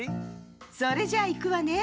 それじゃいくわね。